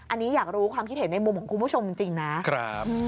อันนี้อยากรู้ความคิดเห็นในมุมของคุณผู้ชมจริงนะครับ